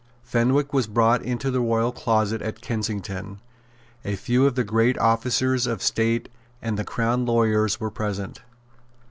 Fenwick was brought into the royal closet at Kensington. A few of the great officers of state and the Crown lawyers were present.